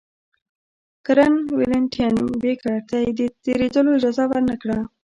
کرنل ولنټین بېکر ته یې د تېرېدلو اجازه ورنه کړه.